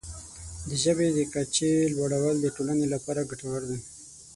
د ژبې د کچې لوړول د ټولنې لپاره ګټور دی.